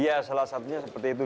iya salah satunya seperti itu